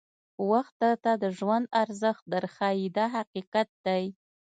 وخت درته د ژوند ارزښت در ښایي دا حقیقت دی.